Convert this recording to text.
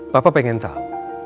papa pengen tahu